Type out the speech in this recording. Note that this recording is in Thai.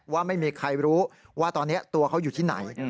ว่าไม่มีใครรู้ว่าตอนนี้ตัวเขาอยู่ที่ไหน